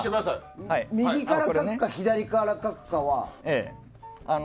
右から書くか、左から書くかは。